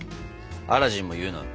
アラジンも言うのよ